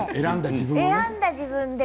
選んだ自分ね。